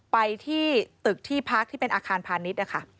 ไปที่ตึกที่พักที่เป็นอาคารพาณิชย์นะคะ